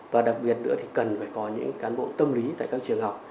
và đặc biệt nữa thì cần phải có những cán bộ tâm lý tại các trường học